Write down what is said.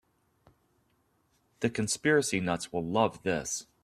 The conspiracy nuts will love this.